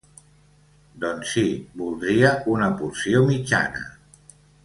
Doncs sí, voldria una porció mitjana.